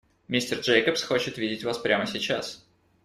Мистер Джейкобс хочет видеть вас прямо сейчас.